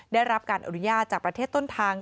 ได้รับการอนุญาตจากประเทศต้นทาง